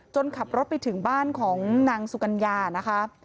ขับรถไปถึงบ้านของนางสุกัญญานะคะ